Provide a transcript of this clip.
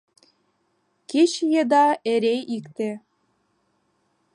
Кече еда эре икте.